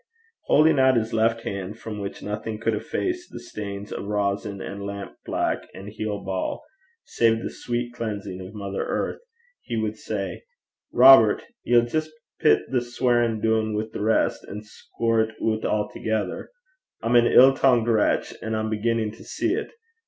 Holding out his left hand, from which nothing could efface the stains of rosin and lamp black and heel ball, save the sweet cleansing of mother earth, he would say, 'Robert, ye'll jist pit the sweirin' doon wi' the lave (rest), an' score 't oot a'thegither. I'm an ill tongued vratch, an' I'm beginnin' to see 't.